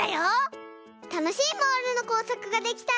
たのしいモールのこうさくができたら。